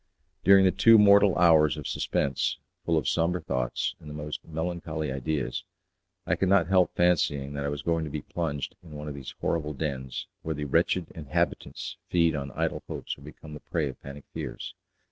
During the two mortal hours of suspense, full of sombre thoughts and the most melancholy ideas, I could not help fancying that I was going to be plunged in one of these horrible dens, where the wretched inhabitants feed on idle hopes or become the prey of panic fears.